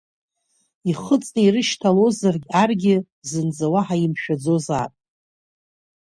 Ихыҵны ирышьҭалозаргь аргьы, зынӡа уаҳа имшәаӡозаап!